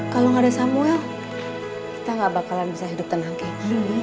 kalau nggak ada samuel kita gak bakalan bisa hidup tenang kayak gini